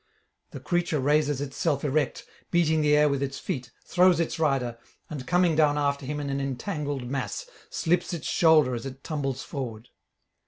The creature raises itself erect, beating the air with its feet, throws its rider, and coming down after him in an entangled mass, slips its shoulder as it tumbles forward.